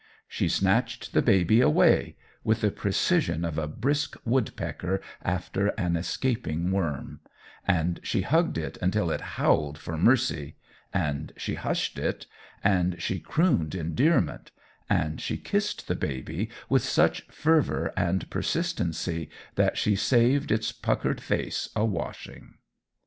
She snatched the baby away, with the precision of a brisk woodpecker after an escaping worm; and she hugged it until it howled for mercy and she hushed it and she crooned endearment and she kissed the baby with such fervour and persistency that she saved its puckered face a washing.